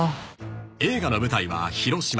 ［映画の舞台は広島］